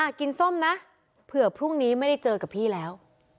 กินส้มนะเผื่อพรุ่งนี้ไม่ได้เจอกับพี่แล้ว